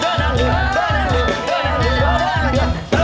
เฮ่ย